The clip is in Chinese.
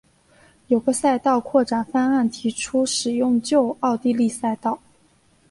有个赛道扩展方案提出使用旧奥地利赛道。